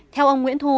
theo ông nguyễn thu